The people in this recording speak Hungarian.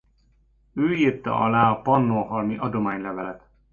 Ő írta alá a pannonhalmi adománylevelet.